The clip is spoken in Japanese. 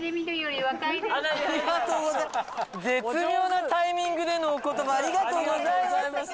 絶妙なタイミングでのお言葉ありがとうございます。